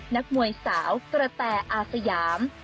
นักมวยสาวกระแตอาสยาม